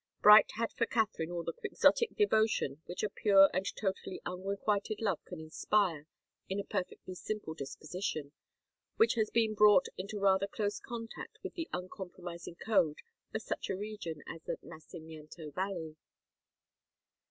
Bright had for Katharine all the Quixotic devotion which a pure and totally unrequited love can inspire in a perfectly simple disposition, which has been brought into rather close contact with the uncompromising code of such a region as the Nacimiento Valley.